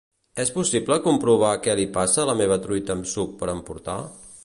És possible comprovar què li passa a la meva truita amb suc per emportar?